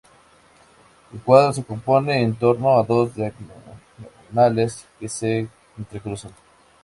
El cuadro se compone en torno a dos diagonales que se entrecruzan.